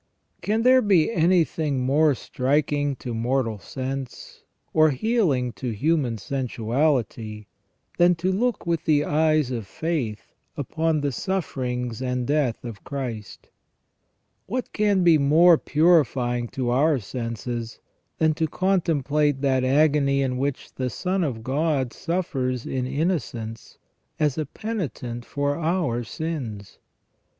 Can there be anything more striking to mortal sense, or healing to human sensuality, than to look with the eyes of faith upon the sufierings and death of Christ ? What THE REGENERATION OF MAN. 363 can be more purifying to our senses than to contemplate that agony in which the Son of God suffers in innocence as a penitent for our sins